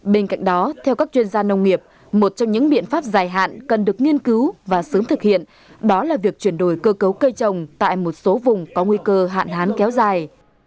bên cạnh đó theo các chuyên gia nông nghiệp một trong những biện pháp dài hạn cần được nghiên cứu và sớm thực hiện đó là việc chuyển đổi cơ cấu cây trồng tại một số vùng có nguy cơ hạn hán kéo dài